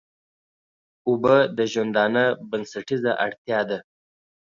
اوبه د ژوندانه بنسټيزه اړتيا ده.